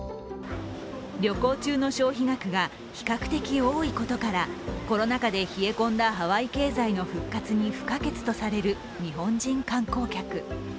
旅行中の消費額が比較的多いことからコロナ禍で冷え込んだハワイ経済の復活に不可欠とされる日本人観光客。